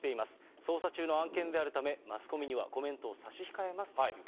捜査中の案件であるため、マスコミにはコメントを差し控えますと言っています。